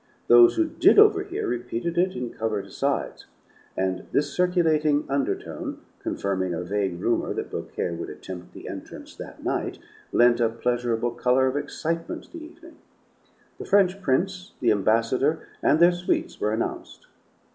Those who did overhear repeated it in covert asides, and this circulating undertone, confirming a vague rumor that Beaucaire would attempt the entrance that night, lent a pleasurable color of excitement to the evening. The French prince, the ambassador, and their suites were announced.